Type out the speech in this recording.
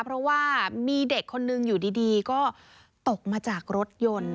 เพราะว่ามีเด็กคนนึงอยู่ดีก็ตกมาจากรถยนต์